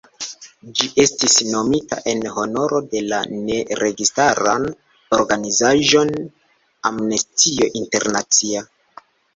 Ĝi estis nomita en honoro de la ne-registaran organizaĵon "Amnestio Internacia".